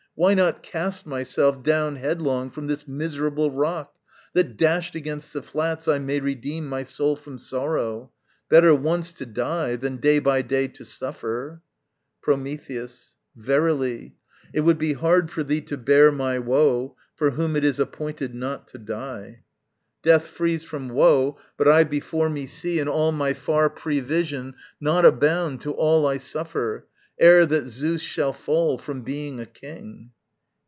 why not cast myself Down headlong from this miserable rock, That, dashed against the flats, I may redeem My soul from sorrow? Better once to die Than day by day to suffer. Prometheus. Verily, It would be hard for thee to bear my woe For whom it is appointed not to die. Death frees from woe: but I before me see In all my far prevision not a bound To all I suffer, ere that Zeus shall fall From being a king.